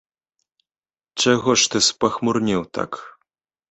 Чаго ж ты спахмурнеў так?